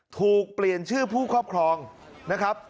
ถูกเปลี่ยนชื่อผู้ครอบครองนะครับ